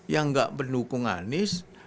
yang gak pendukung anies